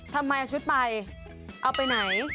ทำไมเอาชุดไปเอาไปไหน